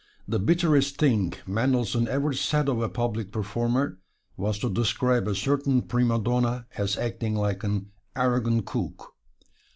The bitterest thing Mendelssohn ever said of a public performer was to describe a certain prima donna as acting like an "arrogant cook."